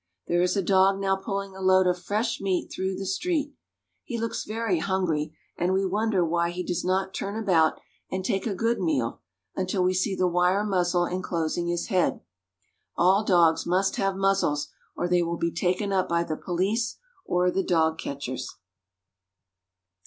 There is a dog now pulling a load of fresh meat through the street. He looks very hungry, and we wonder why he does not turn about and take a good meal, until we see the wire muzzle inclosing his head. All dogs must have muzzles, or they will be taken up by the police or the dog catchers.